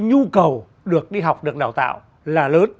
nhu cầu được đi học được đào tạo là lớn